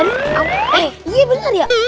iya bener ya